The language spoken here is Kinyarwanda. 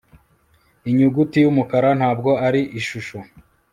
Inyuguti yumukara ntabwo ari ishusho